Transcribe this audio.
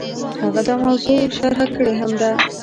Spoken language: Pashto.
هغه دا موضوع شرح کړې هم ده.